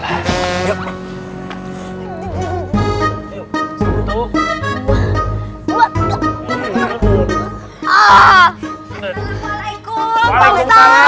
assalamualaikum pak ustaz